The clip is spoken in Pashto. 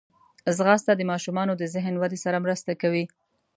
ځغاسته د ماشومانو د ذهن ودې سره مرسته کوي